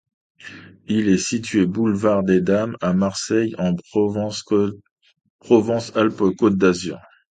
Il est situé boulevard des Dames, à Marseille, en Provence-Alpes-Côte d'Azur.